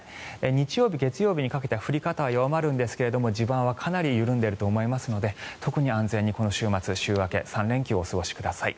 日曜日、月曜日にかけては降り方は弱まるんですが地盤はかなり緩んでいると思いますので特に安全にこの週末、週明け３連休をお過ごしください。